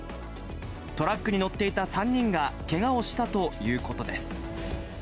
トラックに乗っていた３人がけがをしたということです。